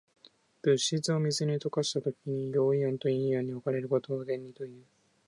物質を水に溶かしたときに、陽イオンと陰イオンに分かれることを電離という。